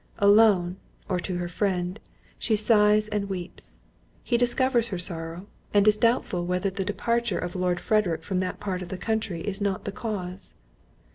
Alone, or to her friend, she sighs and weeps: he discovers her sorrow, and is doubtful whether the departure of Lord Frederick from that part of the country is not the cause.